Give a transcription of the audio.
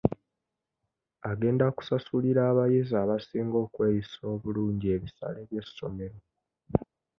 Agenda kusasulira abayizi abasinga okweyisa obulungi ebisale by'essomero.